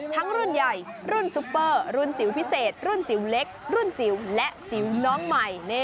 รุ่นใหญ่รุ่นซุปเปอร์รุ่นจิ๋วพิเศษรุ่นจิ๋วเล็กรุ่นจิ๋วและจิ๋วน้องใหม่